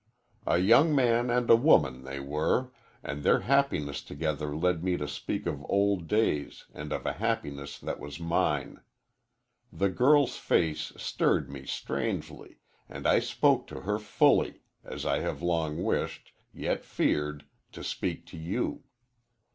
A young man and a woman they were, and their happiness together led me to speak of old days and of a happiness that was mine. The girl's face stirred me strangely, and I spoke to her fully, as I have long wished, yet feared, to speak to you.